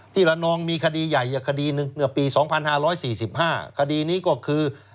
ระนองมีคดีใหญ่คดีหนึ่งเมื่อปี๒๕๔๕คดีนี้ก็คือ